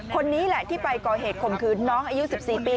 คนนี้แหละที่ไปก่อเหตุข่มขืนน้องอายุ๑๔ปี